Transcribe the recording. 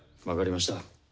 分かりました。